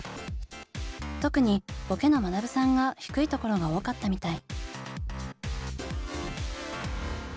特にボケのまなぶさんが低いところが多かったみたい。